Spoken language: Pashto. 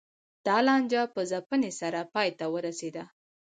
دا لانجه په ځپنې سره پای ته ورسېده.